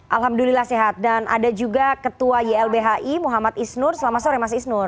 alhamdulillah sehat dan ada juga ketua ylbhi muhammad isnur selamat sore mas isnur